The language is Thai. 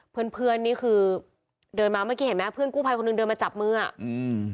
เพื่อนนี่คือเดินมาเมื่อกี้เห็นมั้ยเพื่อนกู้ภัยคนหนึ่งเดินมาจับมืออะ